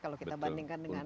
kalau kita bandingkan dengan